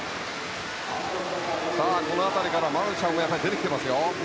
この辺りからマルシャン出てきていますよ。